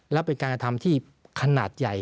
และเป็นการกระทำที่ขนาดใหญ่